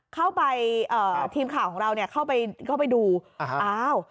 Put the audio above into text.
เข้าไปเอ่อทีมข่าวของเราเนี่ยเข้าไปเข้าไปดูอ้าว